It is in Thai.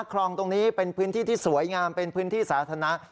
คลองตรงนี้เป็นพื้นที่ที่สวยงามเป็นพื้นที่สาธารณะ